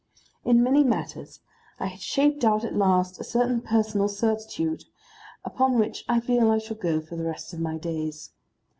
In many matters I had shaped out at last a certain personal certitude, upon which I feel I shall go for the rest of my days.